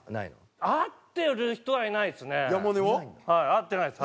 会ってないです。